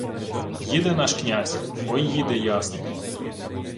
Їде наш князь, ой їде ясний